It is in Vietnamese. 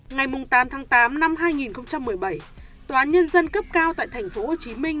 ngày tám tháng tám năm hai nghìn một mươi bảy tòa án nhân dân cấp cao tại thành phố hồ chí minh